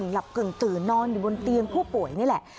หลับกึ่งตื่นนอนอยู่บนเตียงผู้ป่วยนี่แหละ